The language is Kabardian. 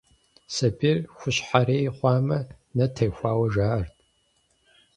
Сабийр хущхьэрей хъуамэ, нэ техуауэ жаӀэрт.